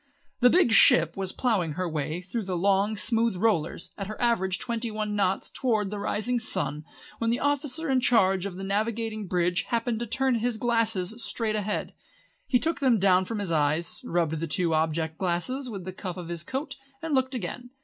The big ship was ploughing her way through the long, smooth rollers at her average twenty one knots towards the rising sun, when the officer in charge of the navigating bridge happened to turn his glasses straight ahead. He took them down from his eyes, rubbed the two object glasses with the cuff of his coat, and looked again.